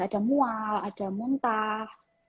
ada mual ada muntah